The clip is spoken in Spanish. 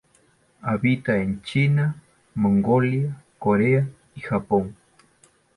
Habita en China, Mongolia, Corea y Japón.